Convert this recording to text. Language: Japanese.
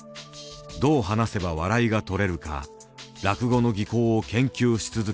どう話せば笑いがとれるか落語の技巧を研究し続けた。